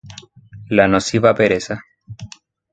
La nociva pereza